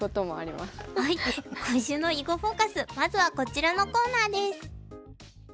まずはこちらのコーナーです。